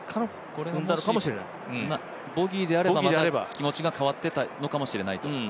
これがもしボギーであれば、気持ちが変わっていたかもしれないと。